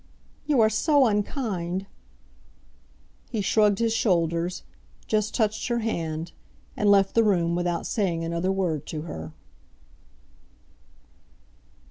"You are so unkind!" He shrugged his shoulders, just touched her hand, and left the room without saying another word to her.